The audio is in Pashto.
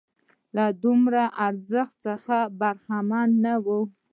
له دومره ارزښت څخه برخمن نه وو.